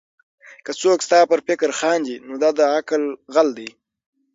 که څوک ستا پر فکر خاندي؛ نو دا د عقل غل دئ.